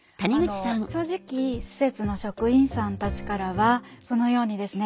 正直施設の職員さんたちからはそのようにですね